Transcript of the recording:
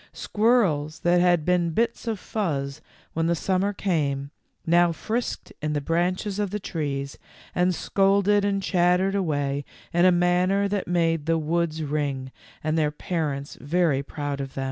Squirrels that had been bits of fuzz when the summer came, now frisked in the branches of the trees and scolded and chattered away in a manner that made the woods ring, and their parents very proud of them.